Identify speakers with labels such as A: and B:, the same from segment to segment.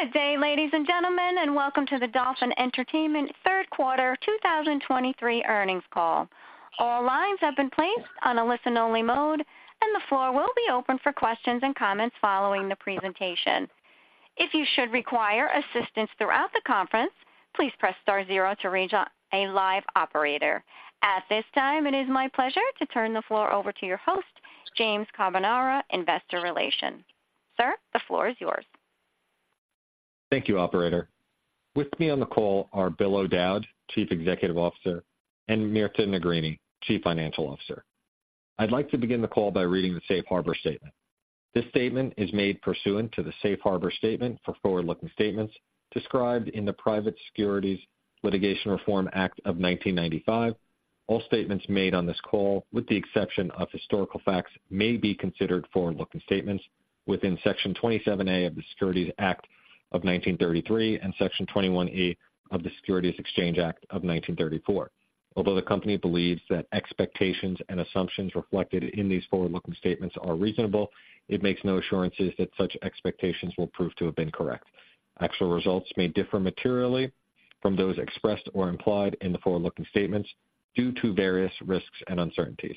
A: Good day, ladies and gentlemen, and welcome to the Dolphin Entertainment Third Quarter 2023 Earnings Call. All lines have been placed on a listen-only mode, and the floor will be open for questions and comments following the presentation. If you should require assistance throughout the conference, please press star zero to reach a live operator. At this time, it is my pleasure to turn the floor over to your host, James Carbonara, Investor Relations. Sir, the floor is yours.
B: Thank you, operator. With me on the call are Bill O'Dowd, Chief Executive Officer, and Mirta Negrini, Chief Financial Officer. I'd like to begin the call by reading the safe harbor statement. This statement is made pursuant to the Safe Harbor statement for forward-looking statements described in the Private Securities Litigation Reform Act of 1995. All statements made on this call, with the exception of historical facts, may be considered forward-looking statements within Section 27A of the Securities Act of 1933 and Section 21A of the Securities Exchange Act of 1934. Although the company believes that expectations and assumptions reflected in these forward-looking statements are reasonable, it makes no assurances that such expectations will prove to have been correct. Actual results may differ materially from those expressed or implied in the forward-looking statements due to various risks and uncertainties.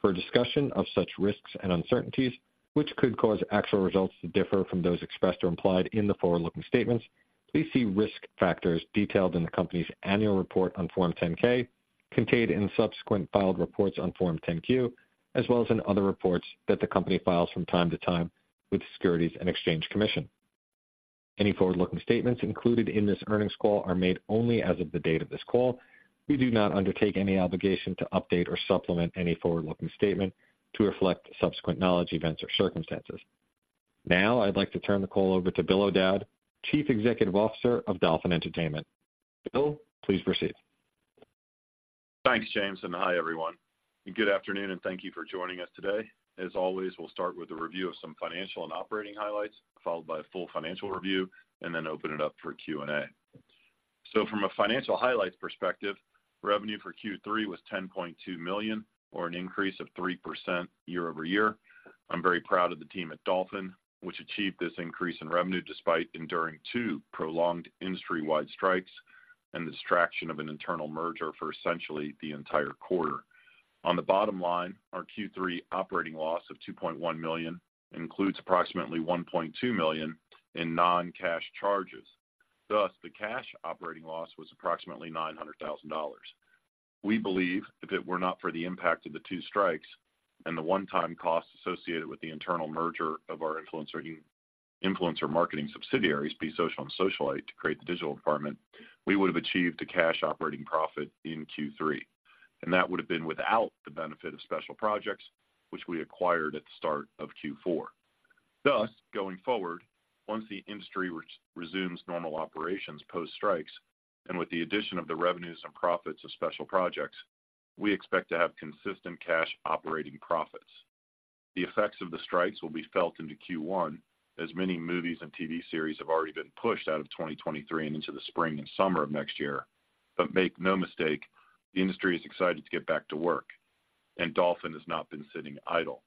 B: For a discussion of such risks and uncertainties which could cause actual results to differ from those expressed or implied in the forward-looking statements, please see risk factors detailed in the company's annual report on Form 10-K, contained in subsequent filed reports on Form 10-Q, as well as in other reports that the company files from time to time with the Securities and Exchange Commission. Any forward-looking statements included in this earnings call are made only as of the date of this call. We do not undertake any obligation to update or supplement any forward-looking statement to reflect subsequent knowledge, events, or circumstances. Now, I'd like to turn the call over to Bill O'Dowd, Chief Executive Officer of Dolphin Entertainment. Bill, please proceed.
C: Thanks, James, and hi, everyone. Good afternoon, and thank you for joining us today. As always, we'll start with a review of some financial and operating highlights, followed by a full financial review, and then open it up for Q&A. So from a financial highlights perspective, revenue for Q3 was $10.2 million, or an increase of 3% year-over-year. I'm very proud of the team at Dolphin, which achieved this increase in revenue despite enduring two prolonged industry-wide strikes and the distraction of an internal merger for essentially the entire quarter. On the bottom line, our Q3 operating loss of $2.1 million includes approximately $1.2 million in non-cash charges. Thus, the cash operating loss was approximately $900,000. We believe if it were not for the impact of the two strikes and the one-time costs associated with the internal merger of our influencer, influencer marketing subsidiaries, Be Social and Socialyte, to create the Digital Dept., we would have achieved a cash operating profit in Q3, and that would have been without the benefit of Special Projects which we acquired at the start of Q4. Thus, going forward, once the industry re-resumes normal operations post-strikes, and with the addition of the revenues and profits of Special Projects, we expect to have consistent cash operating profits. The effects of the strikes will be felt into Q1, as many movies and TV series have already been pushed out of 2023 and into the spring and summer of next year. But make no mistake, the industry is excited to get back to work, and Dolphin has not been sitting idle.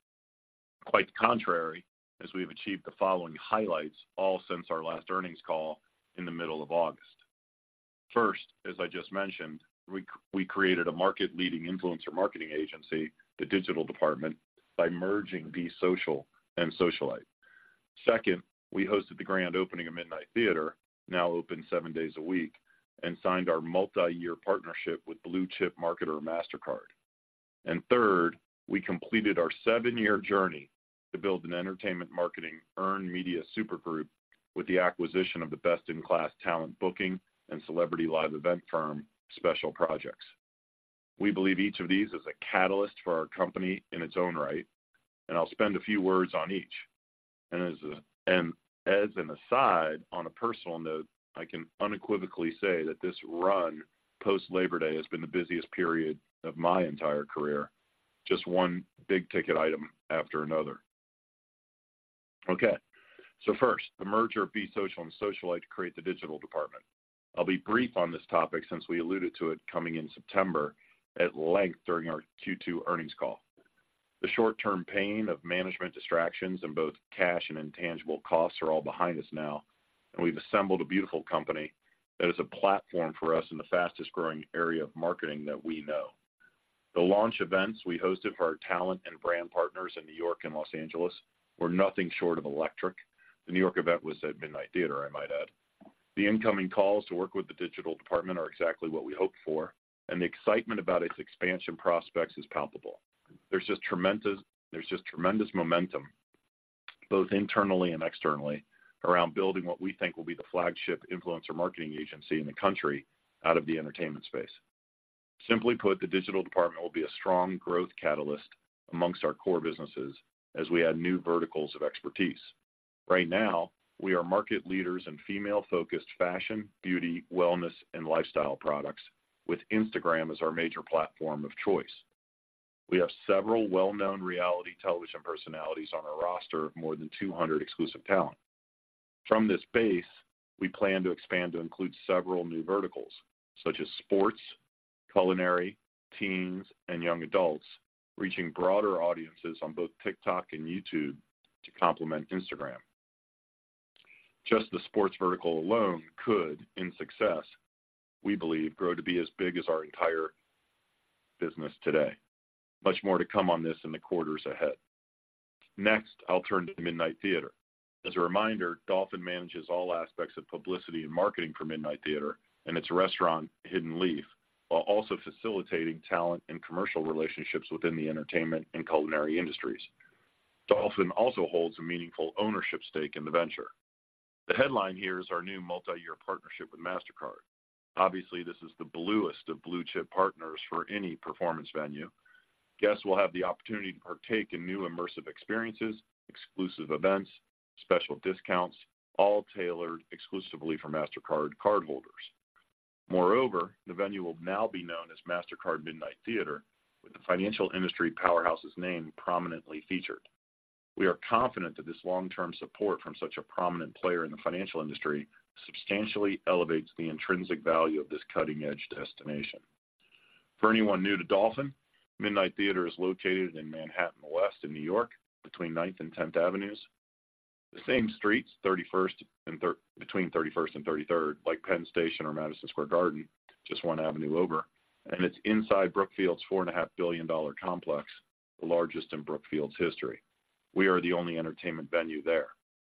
C: Quite the contrary, as we've achieved the following highlights, all since our last earnings call in the middle of August. First, as I just mentioned, we created a market-leading influencer marketing agency, The Digital Dept., by merging Be Social and Socialyte. Second, we hosted the grand opening of Midnight Theatre, now open seven days a week, and signed our multi-year partnership with blue-chip marketer, Mastercard. Third, we completed our seven-year journey to build an entertainment marketing earned media super group with the acquisition of the best-in-class talent booking and celebrity live event firm, Special Projects. We believe each of these is a catalyst for our company in its own right, and I'll spend a few words on each. As an aside, on a personal note, I can unequivocally say that this run post-Labor Day has been the busiest period of my entire career. Just one big-ticket item after another. Okay, so first, the merger of Be Social and Socialyte to create the Digital Department. I'll be brief on this topic since we alluded to it coming in September at length during our Q2 earnings call. The short-term pain of management distractions and both cash and intangible costs are all behind us now, and we've assembled a beautiful company that is a platform for us in the fastest-growing area of marketing that we know. The launch events we hosted for our talent and brand partners in New York and Los Angeles were nothing short of electric. The New York event was at Midnight Theatre, I might add. The incoming calls to work with the Digital Department are exactly what we hoped for, and the excitement about its expansion prospects is palpable. There's just tremendous, there's just tremendous momentum, both internally and externally, around building what we think will be the flagship influencer marketing agency in the country out of the entertainment space. Simply put, the Digital Department will be a strong growth catalyst among our core businesses as we add new verticals of expertise. Right now, we are market leaders in female-focused fashion, beauty, wellness, and lifestyle products, with Instagram as our major platform of choice. We have several well-known reality television personalities on our roster of more than 200 exclusive talent. From this base, we plan to expand to include several new verticals such as sports, culinary, teens, and young adults, reaching broader audiences on both TikTok and YouTube to complement Instagram. Just the sports vertical alone could, in success, we believe, grow to be as big as our entire business today. Much more to come on this in the quarters ahead. Next, I'll turn to Midnight Theatre. As a reminder, Dolphin manages all aspects of publicity and marketing for Midnight Theatre and its restaurant, Hidden Leaf, while also facilitating talent and commercial relationships within the entertainment and culinary industries. Dolphin also holds a meaningful ownership stake in the venture. The headline here is our new multi-year partnership with Mastercard. Obviously, this is the bluest of blue-chip partners for any performance venue. Guests will have the opportunity to partake in new immersive experiences, exclusive events, special discounts, all tailored exclusively for Mastercard cardholders. Moreover, the venue will now be known as Mastercard Midnight Theatre, with the financial industry powerhouse's name prominently featured. We are confident that this long-term support from such a prominent player in the financial industry substantially elevates the intrinsic value of this cutting-edge destination. For anyone new to Dolphin, Midnight Theatre is located in Manhattan West in New York, between Ninth and Tenth Avenues. The same streets, 31st and 33rd, like Penn Station or Madison Square Garden, just one avenue over, and it's inside Brookfield's $4.5 billion complex, the largest in Brookfield's history. We are the only entertainment venue there.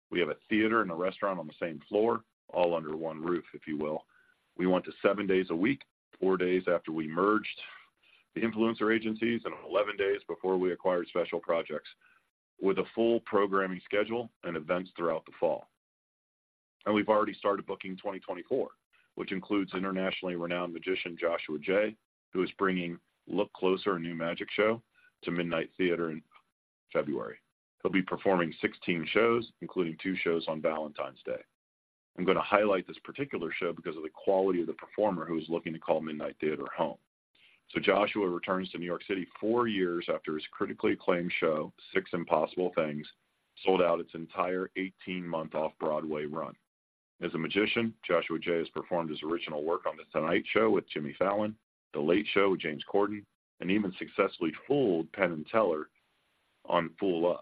C: We have a theater and a restaurant on the same floor, all under one roof, if you will. We went to seven days a week, four days after we merged the influencer agencies and on 11 days before we acquired Special Projects, with a full programming schedule and events throughout the fall. We've already started booking 2024, which includes internationally renowned magician Joshua Jay, who is bringing Look Closer, a new magic show, to Midnight Theatre in February. He'll be performing 16 shows, including two shows on Valentine's Day. I'm going to highlight this particular show because of the quality of the performer who is looking to call Midnight Theatre home. Joshua returns to New York City four years after his critically acclaimed show, Six Impossible Things, sold out its entire 18-month Off-Broadway run. As a magician, Joshua Jay has performed his original work on The Tonight Show with Jimmy Fallon, The Late Show with James Corden, and even successfully fooled Penn and Teller on Fool Us.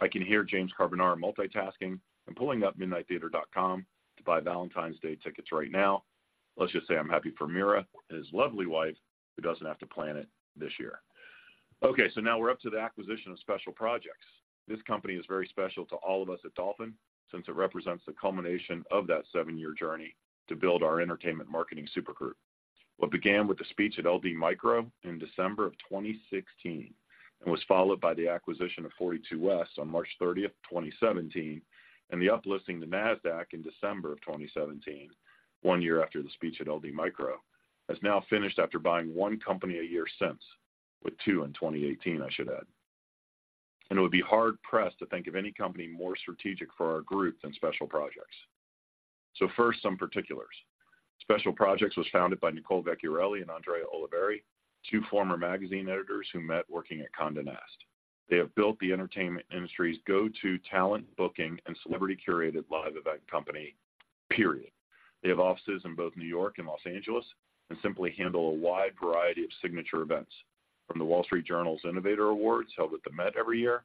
C: I can hear James Carbonara multitasking and pulling up midnighttheater.com to buy Valentine's Day tickets right now. Let's just say I'm happy for Mira, his lovely wife, who doesn't have to plan it this year. Okay, so now we're up to the acquisition of Special Projects. This company is very special to all of us at Dolphin, since it represents the culmination of that seven year journey to build our entertainment marketing super group. What began with the speech at LD Micro in December 2016, and was followed by the acquisition of 42West on 30 March 2017, and the uplisting to Nasdaq in December 2017, one year after the speech at LD Micro, has now finished after buying one company a year since, with two in 2018, I should add. It would be hard-pressed to think of any company more strategic for our group than Special Projects. So first, some particulars. Special Projects was founded by Nicole Vecchiarelli and Andrea Oliveri, two former magazine editors who met working at Condé Nast. They have built the entertainment industry's go-to talent, booking, and celebrity-curated live event company. They have offices in both New York and Los Angeles, and simply handle a wide variety of signature events, from The Wall Street Journal's Innovator Awards, held at the Met every year,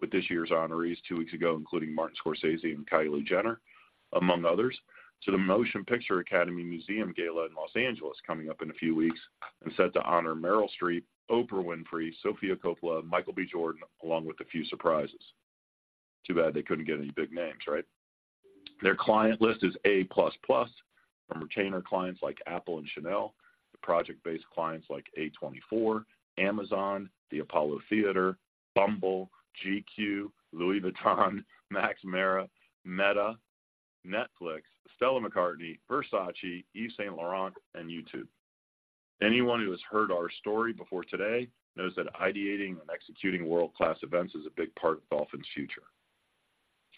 C: with this year's honorees two weeks ago, including Martin Scorsese and Kylie Jenner, among others, to the Academy Museum of Motion Pictures Gala in Los Angeles, coming up in a few weeks and set to honor Meryl Streep, Oprah Winfrey, Sofia Coppola, Michael B. Jordan, along with a few surprises. Too bad they couldn't get any big names, right? Their client list is A plus plus, from retainer clients like Apple and Chanel, to project-based clients like A24, Amazon, the Apollo Theater, Bumble, GQ, Louis Vuitton, Max Mara, Meta, Netflix, Stella McCartney, Versace, Yves Saint Laurent, and YouTube. Anyone who has heard our story before today knows that ideating and executing world-class events is a big part of Dolphin's future.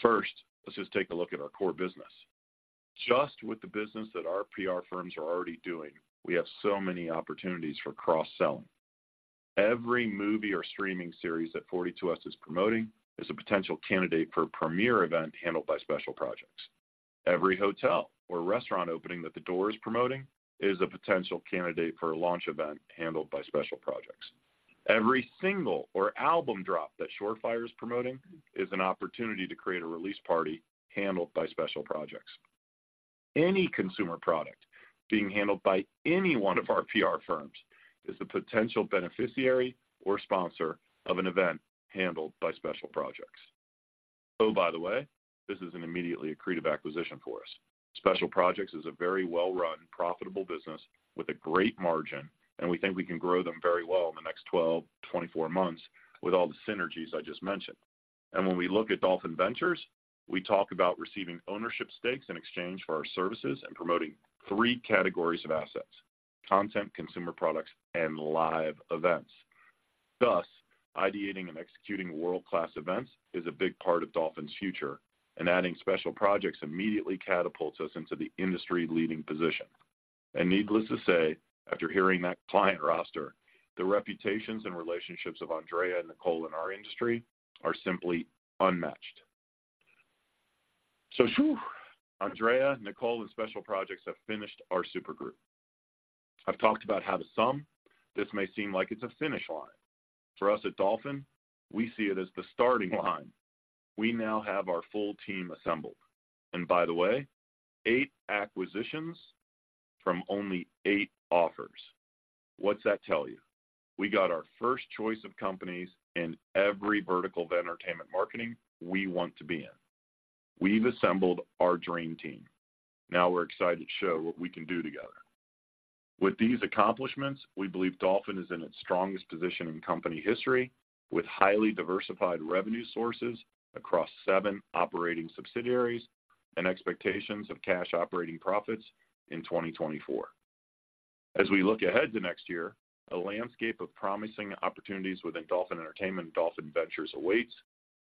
C: First, let's just take a look at our core business. Just with the business that our PR firms are already doing, we have so many opportunities for cross-selling. Every movie or streaming series that 42West is promoting is a potential candidate for a premiere event handled by Special Projects. Every hotel or restaurant opening that The Door is promoting is a potential candidate for a launch event handled by Special Projects. Every single or album drop that Shore Fire is promoting is an opportunity to create a release party handled by Special Projects. Any consumer product being handled by any one of our PR firms is a potential beneficiary or sponsor of an event handled by Special Projects. Oh, by the way, this is an immediately accretive acquisition for us. Special Projects is a very well-run, profitable business with a great margin, and we think we can grow them very well in the next 12 to 24 months with all the synergies I just mentioned. When we look at Dolphin Ventures, we talk about receiving ownership stakes in exchange for our services and promoting three categories of assets: content, consumer products, and live events. Thus, ideating and executing world-class events is a big part of Dolphin's future, and adding Special Projects immediately catapults us into the industry-leading position. Needless to say, after hearing that client roster, the reputations and relationships of Andrea and Nicole in our industry are simply unmatched. So, phew! Andrea, Nicole, and Special Projects have finished our super group. I've talked about how to sum. This may seem like it's a finish line. For us at Dolphin, we see it as the starting line. We now have our full team assembled. And by the way, eight acquisitions from only eight offers. What's that tell you? We got our first choice of companies in every vertical of entertainment marketing we want to be in. We've assembled our dream team. Now we're excited to show what we can do together. With these accomplishments, we believe Dolphin is in its strongest position in company history, with highly diversified revenue sources across seven operating subsidiaries and expectations of cash operating profits in 2024. As we look ahead to next year, a landscape of promising opportunities within Dolphin Entertainment and Dolphin Ventures awaits,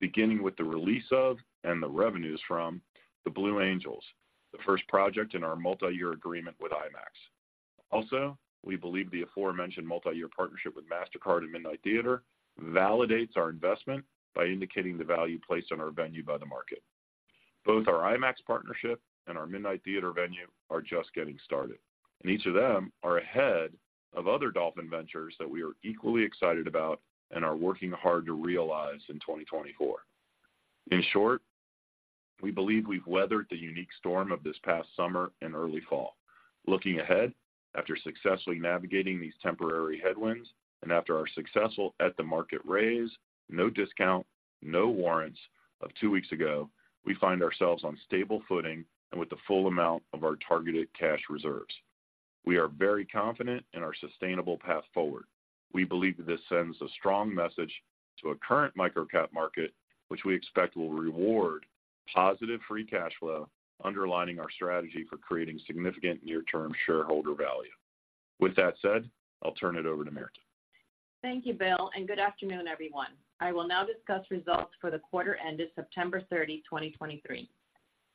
C: beginning with the release of and the revenues from The Blue Angels, the first project in our multi-year agreement with IMAX. Also, we believe the aforementioned multi-year partnership with Mastercard and Midnight Theatre validates our investment by indicating the value placed on our venue by the market. Both our IMAX partnership and our Midnight Theatre venue are just getting started, and each of them are ahead of other Dolphin ventures that we are equally excited about and are working hard to realize in 2024. In short, we believe we've weathered the unique storm of this past summer and early fall. Looking ahead, after successfully navigating these temporary headwinds and after our successful at-the-market raise, no discount, no warrants of two weeks ago, we find ourselves on stable footing and with the full amount of our targeted cash reserves. We are very confident in our sustainable path forward. We believe that this sends a strong message to a current microcap market, which we expect will reward positive free cash flow, underlining our strategy for creating significant near-term shareholder value. With that said, I'll turn it over to Mirta.
D: Thank you, Bill, and good afternoon, everyone. I will now discuss results for the quarter ended 30 September, 2023.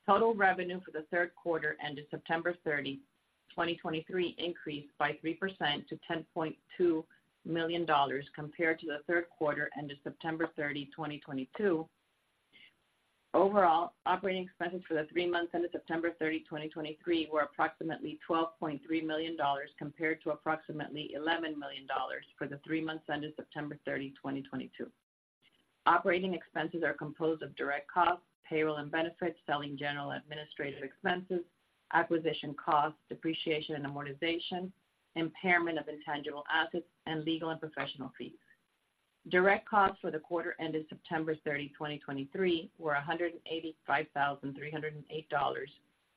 D: Total revenue for the third quarter ended 30 September, 2023, increased by 3% to $10.2 million compared to the third quarter ended 30 September, 2022. Overall, operating expenses for the three months ended 30 September, 2023, were approximately $12.3 million, compared to approximately $11 million for the three months ended 30 September, 2022. Operating expenses are composed of direct costs, payroll and benefits, selling general administrative expenses, acquisition costs, depreciation and amortization, impairment of intangible assets, and legal and professional fees. Direct costs for the quarter ended 30 September, 2023, were $185,308,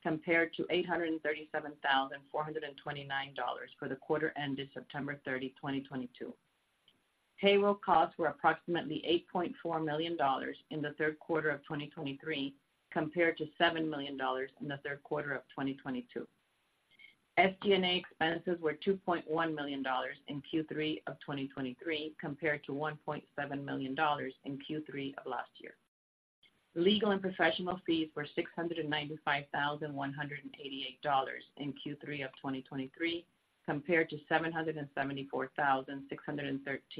D: compared to $837,429 for the quarter ended 30 September, 2022. Payroll costs were approximately $8.4 million in the third quarter of 2023, compared to $7 million in the third quarter of 2022. SG&A expenses were $2.1 million in Q3 of 2023, compared to $1.7 million in Q3 of last year. Legal and professional fees were $695,188 in Q3 of 2023, compared to $774,613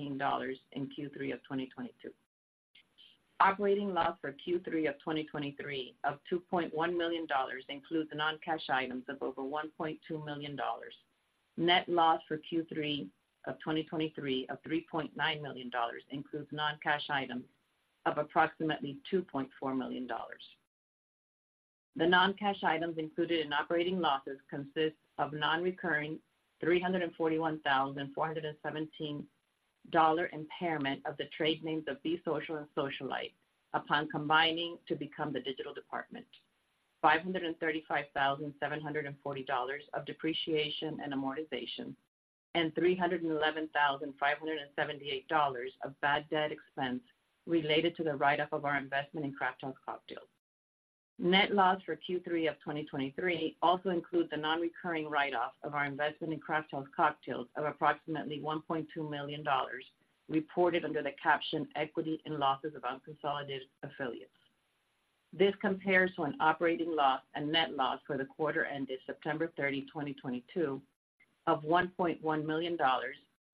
D: in Q3 of 2022. Operating loss for Q3 of 2023 of $2.1 million includes non-cash items of over $1.2 million. Net loss for Q3 of 2023 of $3.9 million includes non-cash items of approximately $2.4 million. The non-cash items included in operating losses consist of non-recurring $341,417 impairment of the trade names of Be Social and Socialyte upon combining to become the Digital Dept. $535,740 of depreciation and amortization, and $311,578 of bad debt expense related to the write-off of our investment in Crafthouse Cocktails. Net loss for Q3 of 2023 also includes the non-recurring write-off of our investment in Crafthouse Cocktails of approximately $1.2 million, reported under the caption Equity and Losses of Unconsolidated Affiliates. This compares to an operating loss and net loss for the quarter ended 30 September, 2022, of $1.1 million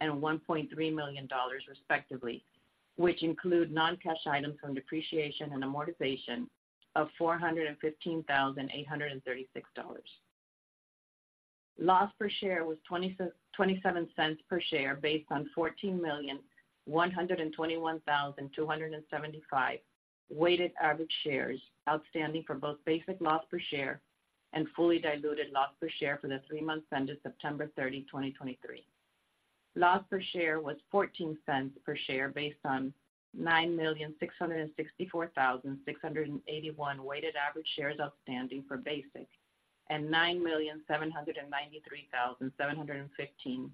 D: and $1.3 million, respectively, which include non-cash items from depreciation and amortization of $415,836. Loss per share was $0.27, based on 14,121,275 weighted average shares outstanding for both basic loss per share and fully diluted loss per share for the three months ended 30 September, 2023. Loss per share was $0.14 per share, based on 9,664,681 weighted average shares outstanding for basic and 9,793,715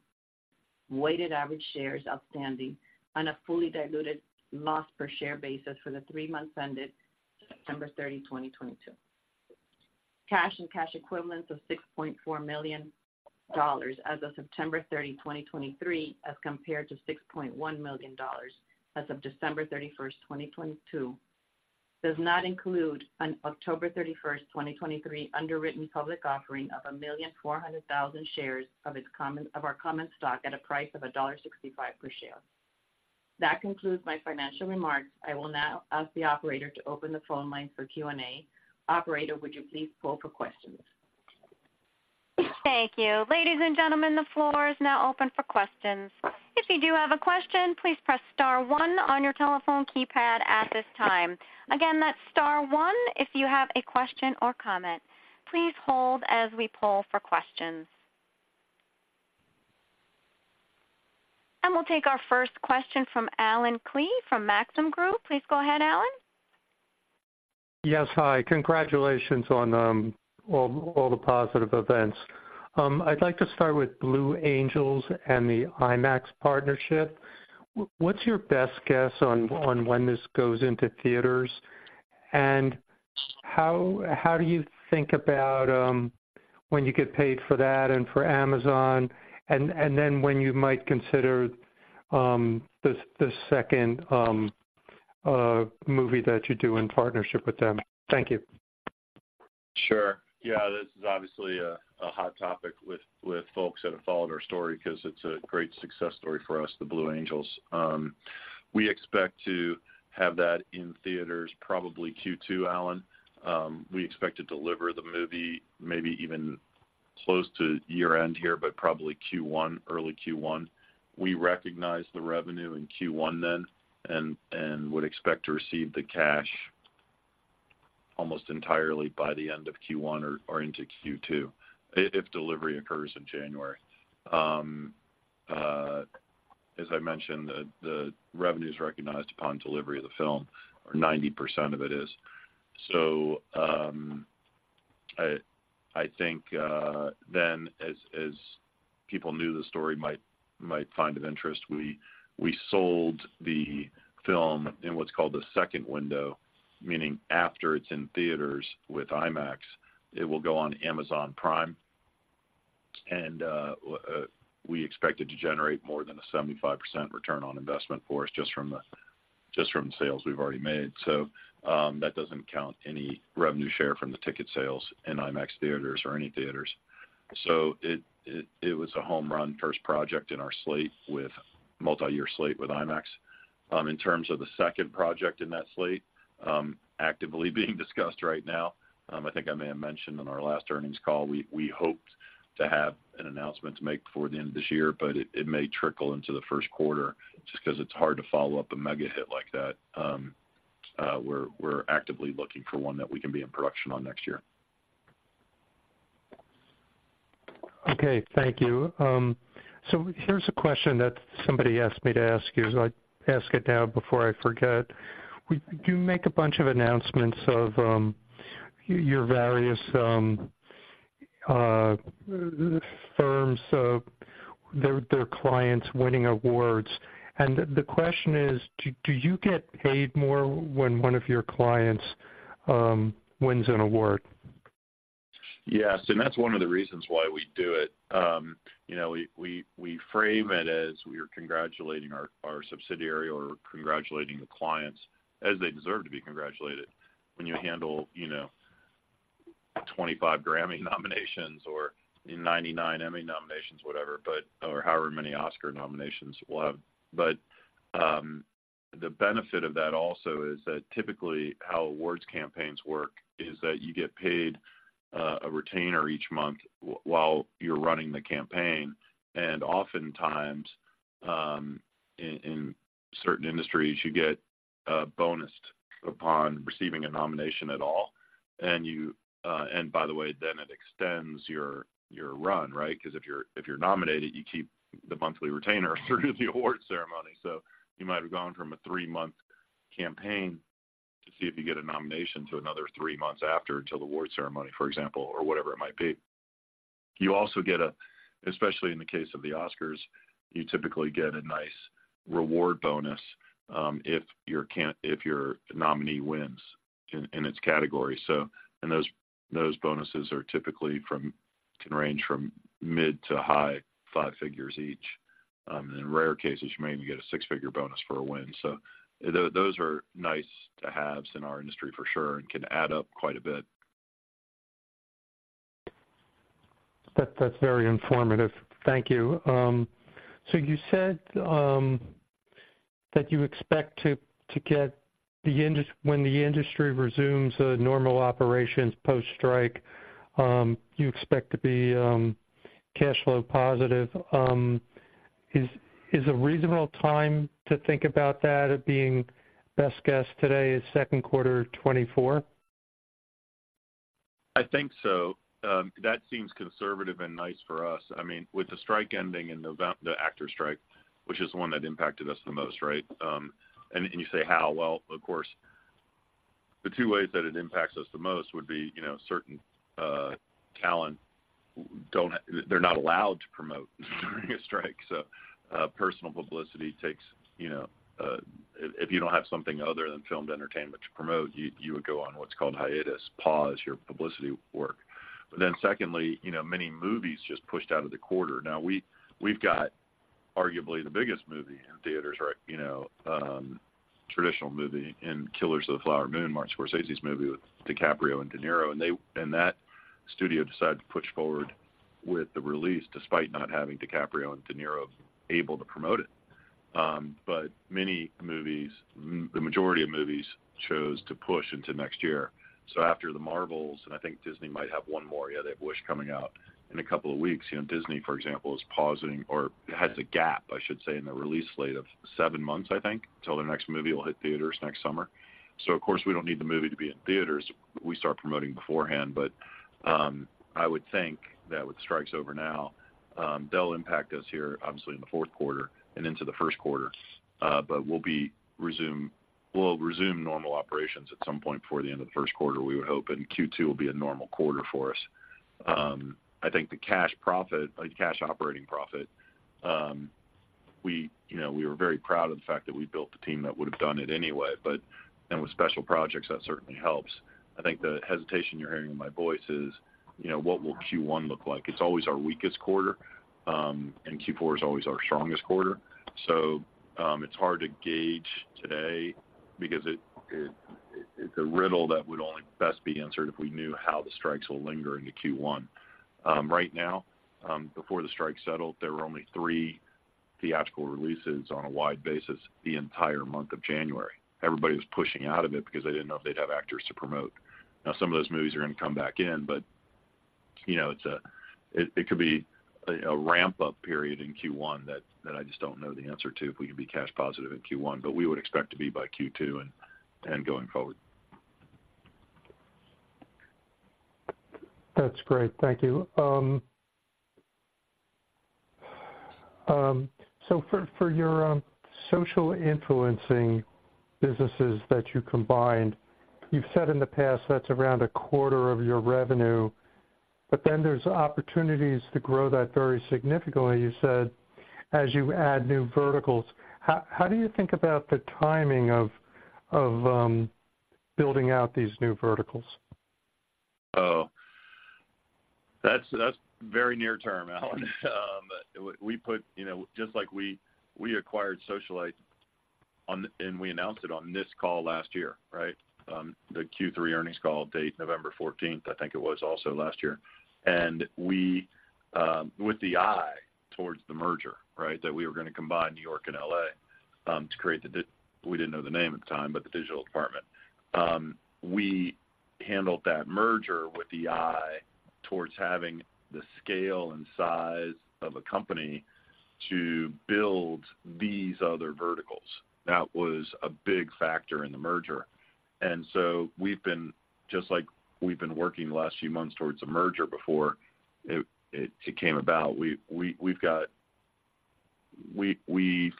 D: weighted average shares outstanding on a fully diluted loss per share basis for the three months ended 30 September, 2022. Cash and cash equivalents of $6.4 million as of 30 September, 2023, as compared to $6.1 million as of 31 December 2022, does not include an 31 October 2023, underwritten public offering of 1,400,000 shares of our common stock at a price of $1.65 per share. That concludes my financial remarks. I will now ask the operator to open the phone line for Q&A. Operator, would you please pull for questions?
A: Thank you. Ladies and gentlemen, the floor is now open for questions. If you do have a question, please press star one on your telephone keypad at this time. Again, that's star one if you have a question or comment. Please hold as we poll for questions. We'll take our first question from Allen Klee from Maxim Group. Please go ahead, Allen.
E: Yes, hi. Congratulations on all the positive events. I'd like to start with Blue Angels and the IMAX partnership. What's your best guess on when this goes into theaters? And how do you think about when you get paid for that and for Amazon? And then when you might consider the second movie that you do in partnership with them? Thank you.
C: Sure. Yeah, this is obviously a hot topic with folks that have followed our story because it's a great success story for us, The Blue Angels. We expect to have that in theaters probably Q2, Allen. We expect to deliver the movie maybe even close to year-end here, but probably Q1, early Q1. We recognize the revenue in Q1 then, and would expect to receive the cash almost entirely by the end of Q1 or into Q2, if delivery occurs in January. As I mentioned, the revenue is recognized upon delivery of the film, or 90% of it is. So, I think, then as people knew the story might find of interest, we sold the film in what's called the second window, meaning after it's in theaters with IMAX, it will go on Amazon Prime. And, we expect it to generate more than a 75% return on investment for us just from the sales we've already made. So, that doesn't count any revenue share from the ticket sales in IMAX theaters or any theaters. So it was a home run first project in our slate with multiyear slate with IMAX. In terms of the second project in that slate, actively being discussed right now, I think I may have mentioned on our last earnings call, we hoped to have an announcement to make before the end of this year, but it may trickle into the first quarter just because it's hard to follow up a mega hit like that. We're actively looking for one that we can be in production on next year.
E: Okay, thank you. So here's a question that somebody asked me to ask you, so I'll ask it now before I forget. You make a bunch of announcements of your various firms, their clients winning awards. And the question is, do you get paid more when one of your clients wins an award?
C: Yes, and that's one of the reasons why we do it. You know, we frame it as we are congratulating our subsidiary or congratulating the clients as they deserve to be congratulated when you handle, you know, 25 Grammy nominations or 99 Emmy nominations, whatever, or however many Oscar nominations we'll have. But, the benefit of that also is that typically how awards campaigns work is that you get paid a retainer each month while you're running the campaign, and oftentimes, in certain industries, you get bonused upon receiving a nomination at all. And you and by the way, then it extends your run, right? Because if you're nominated, you keep the monthly retainer through the award ceremony. So you might have gone from a three-month campaign to see if you get a nomination to another three months after until the award ceremony, for example, or whatever it might be. You also get a, especially in the case of the Oscars, you typically get a nice reward bonus, if your nominee wins in its category. So, and those bonuses are typically from, can range from mid to high-five figures each. In rare cases, you may even get a six-figure bonus for a win. So those are nice to haves in our industry for sure, and can add up quite a bit.
E: That's very informative. Thank you. So you said that you expect to be cash flow positive when the industry resumes normal operations post-strike. Is a reasonable time to think about that being best guess today second quarter 2024?
C: I think so. That seems conservative and nice for us. I mean, with the strike ending in November the actor strike, which is the one that impacted us the most, right? And you say, how? Well, of course, the two ways that it impacts us the most would be, you know, certain talent don't have they're not allowed to promote during a strike. So, personal publicity takes, you know, if you don't have something other than filmed entertainment to promote, you would go on what's called hiatus, pause your publicity work. But then secondly, you know, many movies just pushed out of the quarter. Now we've got arguably the biggest movie in theaters right, you know. traditional movie in Killers of the Flower Moon, Martin Scorsese's movie with DiCaprio and De Niro, and that studio decided to push forward with the release, despite not having DiCaprio and De Niro able to promote it. But many movies, the majority of movies, chose to push into next year. So after The Marvels, and I think Disney might have one more, yeah, they have Wish coming out in a couple of weeks, you know, Disney, for example, is pausing or has a gap, I should say, in their release slate of seven months, I think, till their next movie will hit theaters next summer. So of course, we don't need the movie to be in theaters. We start promoting beforehand, but, I would think that with strikes over now, they'll impact us here, obviously in the fourth quarter and into the first quarter. But we'll resume normal operations at some point before the end of the first quarter, we would hope, and Q2 will be a normal quarter for us. I think the cash profit, like cash operating profit, you know, we were very proud of the fact that we built the team that would have done it anyway, but, and with Special Projects, that certainly helps. I think the hesitation you're hearing in my voice is, you know, what will Q1 look like? It's always our weakest quarter, and Q4 is always our strongest quarter. So, it's hard to gauge today because it's a riddle that would only best be answered if we knew how the strikes will linger into Q1. Right now, before the strike settled, there were only three theatrical releases on a wide basis the entire month of January. Everybody was pushing out of it because they didn't know if they'd have actors to promote. Now, some of those movies are going to come back in, but, you know, it's a ramp-up period in Q1 that I just don't know the answer to, if we can be cash positive in Q1, but we would expect to be by Q2 and going forward.
E: That's great. Thank you. So for your social influencing businesses that you combined, you've said in the past, that's around a quarter of your revenue, but then there's opportunities to grow that very significantly, you said, as you add new verticals. How do you think about the timing of building out these new verticals?
C: Oh, that's very near term, Allen. We put, you know, just like we acquired Socialyte on the and we announced it on this call last year, right? The Q3 earnings call date, November fourteenth, I think it was also last year. And we, with the eye towards the merger, right, that we were gonna combine New York and L.A., to create the digital department. We didn't know the name at the time, but the digital department. We handled that merger with the eye towards having the scale and size of a company to build these other verticals. That was a big factor in the merger. So we've been working the last few months towards the merger before it came about. We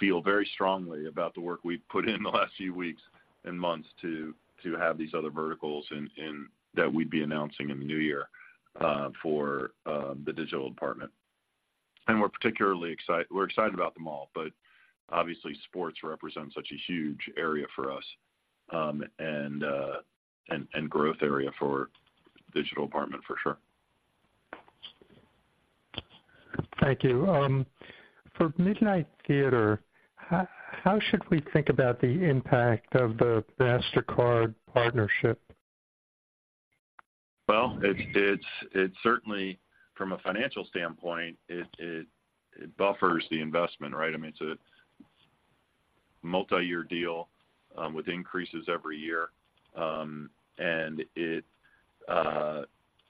C: feel very strongly about the work we've put in the last few weeks and months to have these other verticals and that we'd be announcing in the new year for the Digital Dept. We're particularly excited about them all, but obviously sports represents such a huge area for us and a growth area for Digital Dept., for sure.
E: Thank you. For Midnight Theatre, how should we think about the impact of the Mastercard partnership?
C: Well, it certainly, from a financial standpoint, buffers the investment, right? I mean, it's a multi-year deal with increases every year. And it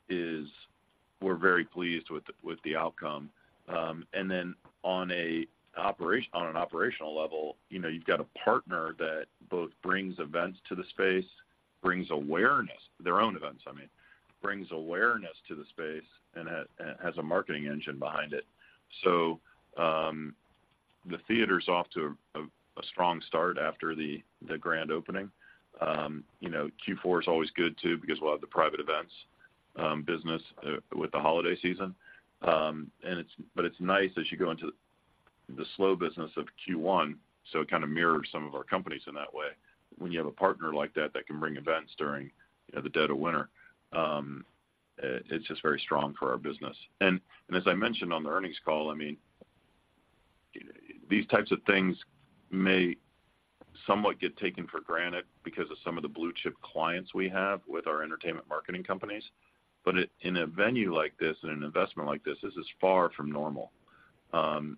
C: is. We're very pleased with the outcome. And then on an operational level, you know, you've got a partner that both brings events to the space, brings awareness, their own events, I mean, brings awareness to the space and has a marketing engine behind it. So, the theater's off to a strong start after the grand opening. You know, Q4 is always good, too, because we'll have the private events business with the holiday season. But it's nice as you go into the slow business of Q1, so it kind of mirrors some of our companies in that way. When you have a partner like that, that can bring events during, you know, the dead of winter, it's just very strong for our business. And as I mentioned on the earnings call, I mean, these types of things may somewhat get taken for granted because of some of the blue-chip clients we have with our entertainment marketing companies, but it, in a venue like this and an investment like this, is as far from normal.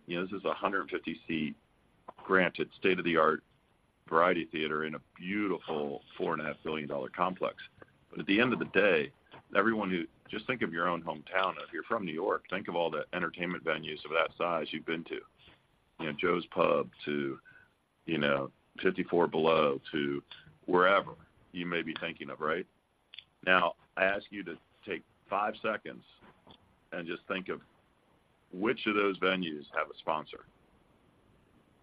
C: You know, this is a 150-seat, granted, state-of-the-art variety theater in a beautiful $4.5 billion complex. But at the end of the day, everyone just think of your own hometown. If you're from New York, think of all the entertainment venues of that size you've been to. You know, Joe's Pub to, you know, 54 Below to wherever you may be thinking of, right? Now, I ask you to take five seconds and just think of which of those venues have a sponsor.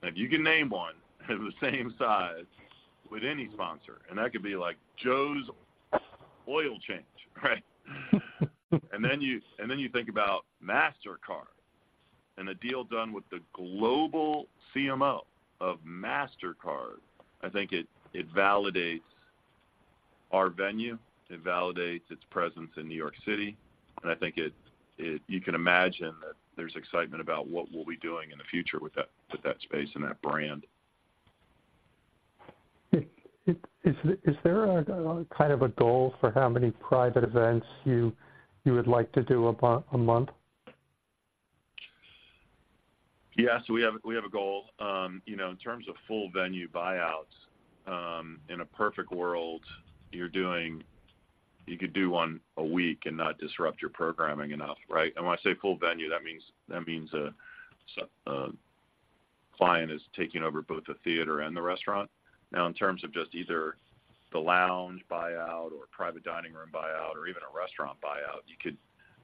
C: If you can name one of the same size with any sponsor, and that could be like Joe's Oil Change, right? And then you, and then you think about Mastercard and a deal done with the global CMO of Mastercard. I think it validates our venue. It validates its presence in New York City, and I think it you can imagine that there's excitement about what we'll be doing in the future with that, with that space and that brand.
E: Is there a kind of a goal for how many private events you would like to do about a month?
C: Yes, we have, we have a goal. You know, in terms of full venue buyouts, in a perfect world, you could do one a week and not disrupt your programming enough, right? And when I say full venue, that means a client is taking over both the theater and the restaurant. Now, in terms of just either the lounge buyout or private dining room buyout or even a restaurant buyout,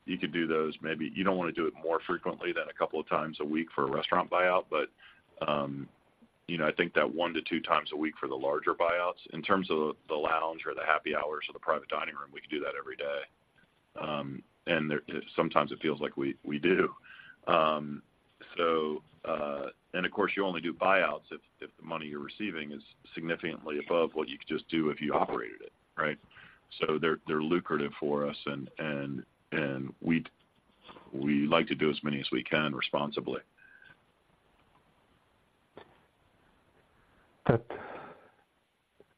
C: you could do those maybe. You don't want to do it more frequently than a couple of times a week for a restaurant buyout. But, you know, I think that one to two times a week for the larger buyouts. In terms of the lounge or the happy hours or the private dining room, we could do that every day. And there, sometimes it feels like we do. So, and of course, you only do buyouts if the money you're receiving is significantly above what you could just do if you operated it, right? So they're lucrative for us, and we like to do as many as we can responsibly.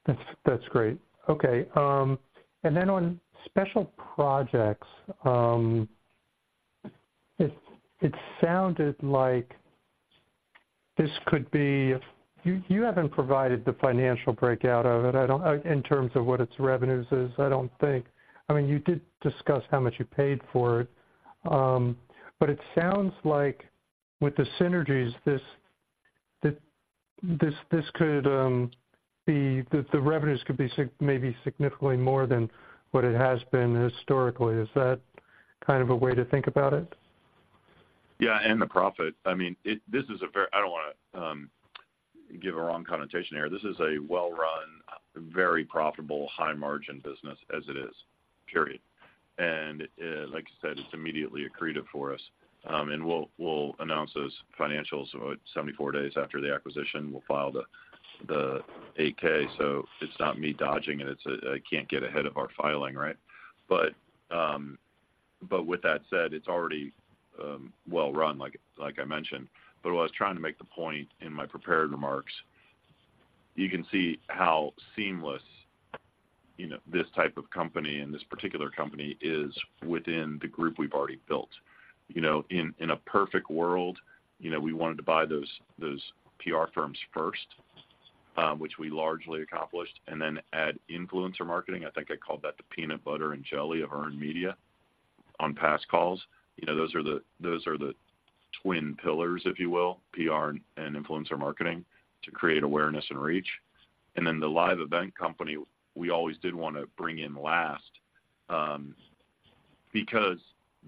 E: That's great. Okay, and then on Special Projects, it sounded like this could be you haven't provided the financial breakout of it. I don't think, in terms of what its revenues is. I mean, you did discuss how much you paid for it. But it sounds like with the synergies, this could be. The revenues could be maybe significantly more than what it has been historically. Is that kind of a way to think about it?
C: Yeah, and the profit. I mean, it this is a very I don't want to give a wrong connotation here. This is a well-run, very profitable, high-margin business as it is, period. And, like you said, it's immediately accretive for us. And we'll, we'll announce those financials about 74 days after the acquisition. We'll file the 8-K, so it's not me dodging it. It's I can't get ahead of our filing, right? But, but with that said, it's already well run, like, like I mentioned. But what I was trying to make the point in my prepared remarks, you can see how seamless, you know, this type of company and this particular company is within the group we've already built. You know, in a perfect world, you know, we wanted to buy those PR firms first, which we largely accomplished, and then add influencer marketing. I think I called that the peanut butter and jelly of earned media on past calls. You know, those are the twin pillars, if you will, PR and influencer marketing, to create awareness and reach. And then the live event company, we always did want to bring in last, because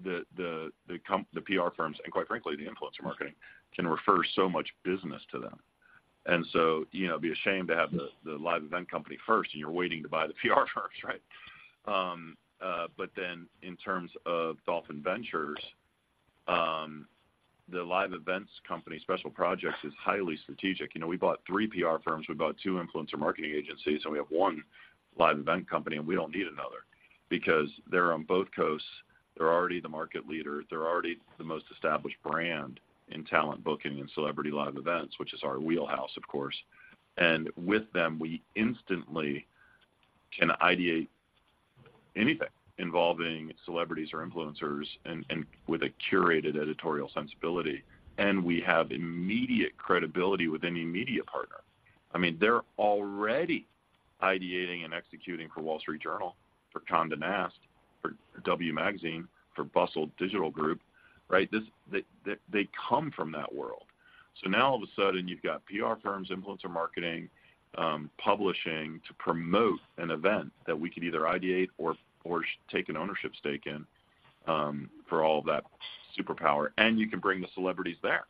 C: the PR firms, and quite frankly, the influencer marketing, can refer so much business to them. And so, you know, it'd be a shame to have the live event company first, and you're waiting to buy the PR firms, right? But then in terms of Dolphin Ventures, the live events company, Special Projects, is highly strategic. You know, we bought three PR firms, we bought two influencer marketing agencies, and we have one live event company, and we don't need another because they're on both coasts. They're already the market leader. They're already the most established brand in talent booking and celebrity live events, which is our wheelhouse, of course. And with them, we instantly can ideate anything involving celebrities or influencers and with a curated editorial sensibility, and we have immediate credibility with any media partner. I mean, they're already ideating and executing for Wall Street Journal, for Condé Nast, for W Magazine, for Bustle Digital Group, right? They come from that world. So now all of a sudden, you've got PR firms, influencer marketing, publishing to promote an event that we could either ideate or take an ownership stake in for all of that superpower, and you can bring the celebrities there.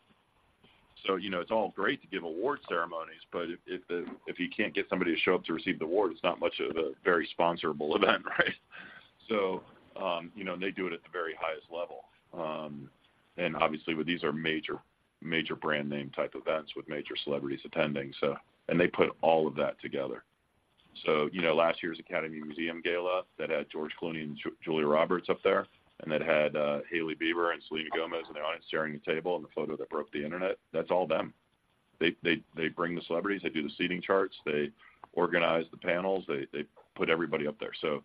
C: So, you know, it's all great to give award ceremonies, but if you can't get somebody to show up to receive the award, it's not much of a very sponsorable event, right? So, you know, and they do it at the very highest level. And obviously, these are major, major brand name type events with major celebrities attending, so and they put all of that together. So, you know, last year's Academy Museum Gala that had George Clooney and Julia Roberts up there, and that had Hailey Bieber and Selena Gomez and Ariana sharing a table in the photo that broke the Internet, that's all them. They bring the celebrities, they do the seating charts, they organize the panels, they put everybody up there. So,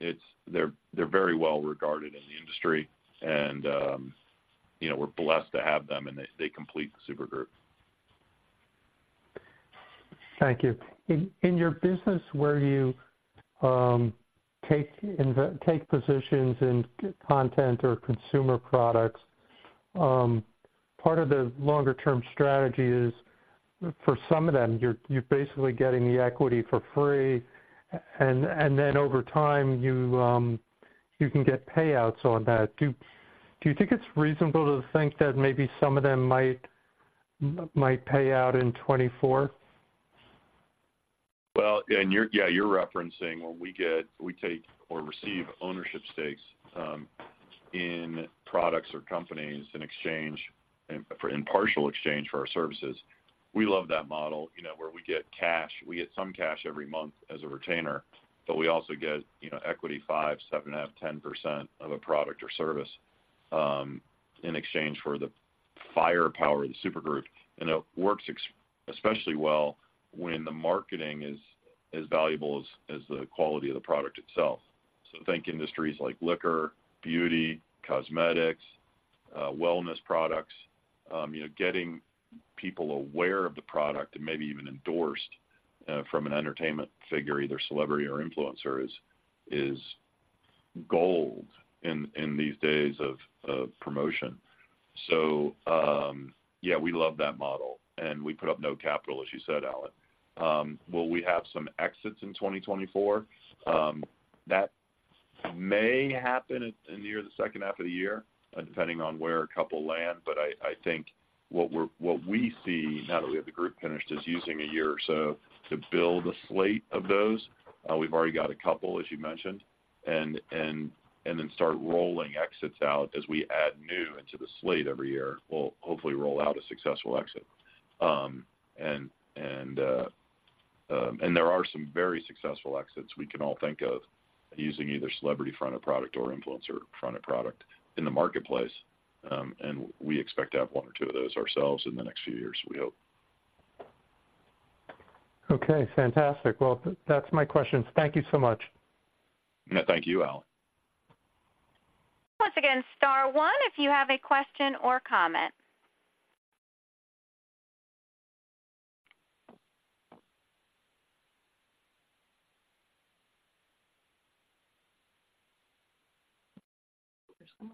C: it's. They're very well regarded in the industry, and you know, we're blessed to have them, and they complete the super group.
E: Thank you. In your business where you take positions in content or consumer products, part of the longer term strategy is, for some of them, you're basically getting the equity for free, and then over time, you can get payouts on that. Do you think it's reasonable to think that maybe some of them might pay out in 2024?
C: Well, and you're referencing when we get, we take or receive ownership stakes in products or companies in exchange for, in partial exchange for our services. We love that model, you know, where we get cash, we get some cash every month as a retainer, but we also get, you know, equity, five, 7.5, 10% of a product or service in exchange for the firepower of the supergroup. And it works especially well when the marketing is valuable as the quality of the product itself. So think industries like liquor, beauty, cosmetics, wellness products. You know, getting people aware of the product and maybe even endorsed from an entertainment figure, either celebrity or influencer, is gold in these days of promotion. So, yeah, we love that model, and we put up no capital, as you said, Allen. Will we have some exits in 2024? That may happen at, in near the second half of the year, depending on where a couple land. But I think what we see now that we have the group finished, is using a year or so to build a slate of those. We've already got a couple, as you mentioned, and, and, and then start rolling exits out as we add new into the slate every year. We'll hopefully roll out a successful exit. There are some very successful exits we can all think of using either celebrity fronted product or influencer fronted product in the marketplace, and we expect to have one or two of those ourselves in the next few years, we hope.
E: Okay, fantastic. Well, that's my questions. Thank you so much.
C: Thank you, Allen.
A: Once again, star one if you have a question or comment. There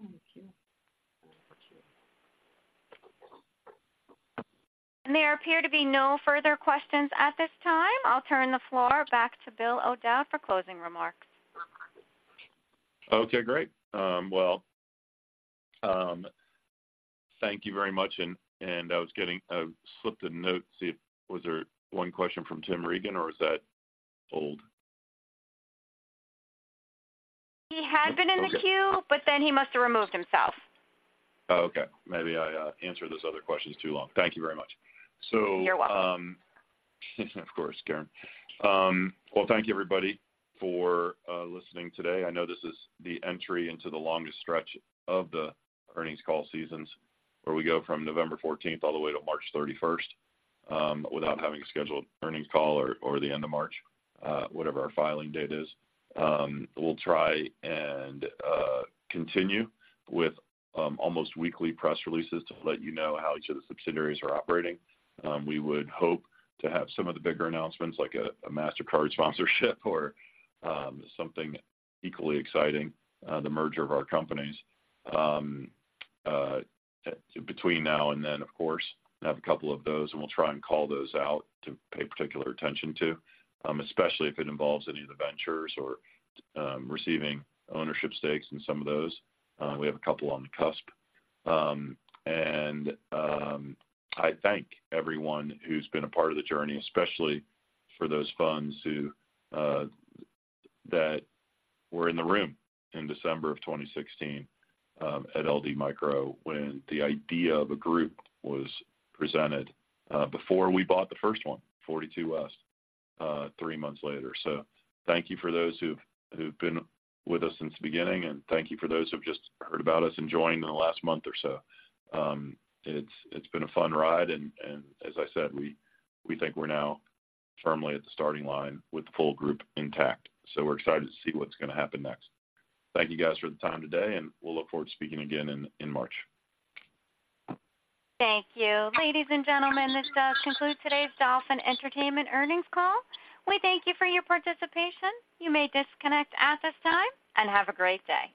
A: seem to be no further questions at this time. I'll turn the floor back to Bill O'Dowd for closing remarks.
C: Okay, great. Thank you very much. And I was getting. I slipped a note to see if was there one question from Tim Regan, or is that old?
A: He had been in the queue, but then he must have removed himself.
C: Oh, okay. Maybe I answered those other questions too long. Thank you very much.
A: You're welcome.
C: Of course, Karen. Well, thank you, everybody, for listening today. I know this is the entry into the longest stretch of the earnings call seasons, where we go from 14 November all the way to 31 March, without having a scheduled earnings call or, or the end of March, whatever our filing date is. We'll try and continue with almost weekly press releases to let you know how each of the subsidiaries are operating. We would hope to have some of the bigger announcements, like a Mastercard sponsorship or something equally exciting, the merger of our companies, between now and then. Of course, have a couple of those, and we'll try and call those out to pay particular attention to, especially if it involves any of the ventures or receiving ownership stakes in some of those. We have a couple on the cusp. And I thank everyone who's been a part of the journey, especially for those funds who were in the room in December of 2016 at LD Micro, when the idea of a group was presented, before we bought the first one, 42West, three months later. So thank you for those who've been with us since the beginning, and thank you for those who've just heard about us and joined in the last month or so. It's been a fun ride, and as I said, we think we're now firmly at the starting line with the full group intact. So we're excited to see what's going to happen next. Thank you, guys, for the time today, and we'll look forward to speaking again in March.
A: Thank you. Ladies and gentlemen, this does conclude today's Dolphin Entertainment earnings call. We thank you for your participation. You may disconnect at this time, and have a great day.